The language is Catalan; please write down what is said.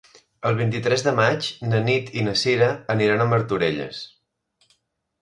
El vint-i-tres de maig na Nit i na Cira aniran a Martorelles.